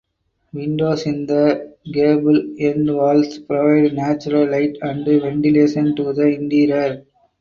Windows in the gable end walls provide natural light and ventilation to the interior.